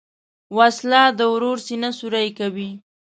وسله د ورور سینه سوری کوي